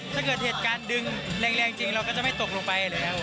ถ้าเกิดเหตุการณ์ดึงแรงจริงเราก็จะไม่ตกลงไปแล้ว